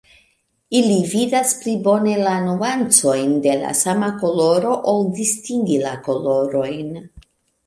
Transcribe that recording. Ili vidas pli bone la nuancojn de la sama koloro, ol distingi la kolorojn.